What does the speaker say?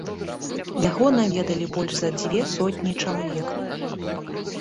Яго наведалі больш за дзве сотні чалавек.